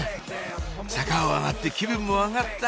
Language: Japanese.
坂を上がって気分も上がった！